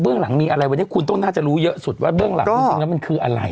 เรื่องหลังมีอะไรวันนี้คุณต้องน่าจะรู้เยอะสุดว่าเบื้องหลังจริงแล้วมันคืออะไร